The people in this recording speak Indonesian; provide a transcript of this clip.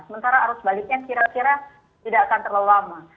sementara arus baliknya kira kira tidak akan terlalu lama